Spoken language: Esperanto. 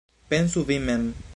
Pensu vi mem!